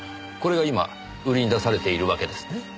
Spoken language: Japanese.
これが今売りに出されているわけですね？